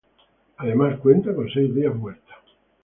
Además cuenta con seis vías muertas.